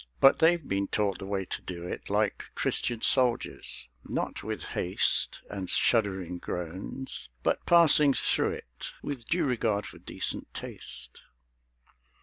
But they've been taught the way to do it Like Christian soldiers; not with haste And shuddering groans; but passing through it With due regard for decent taste.